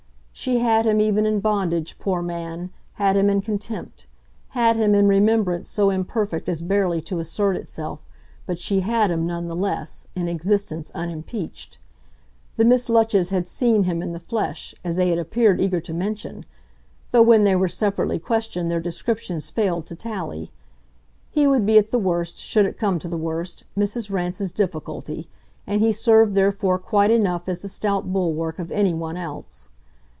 She had him even in bondage, poor man, had him in contempt, had him in remembrance so imperfect as barely to assert itself, but she had him, none the less, in existence unimpeached: the Miss Lutches had seen him in the flesh as they had appeared eager to mention; though when they were separately questioned their descriptions failed to tally. He would be at the worst, should it come to the worst, Mrs. Rance's difficulty, and he served therefore quite enough as the stout bulwark of anyone else.